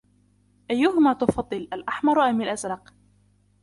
أيهما تفضل الأحمر أم الازرق ؟